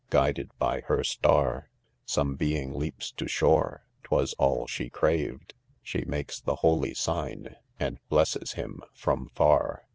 j— gu ided by her star, Some being leaps to shore f— 3 twas all she craved,— She makes the holy sig% and blesses : :hiin from far.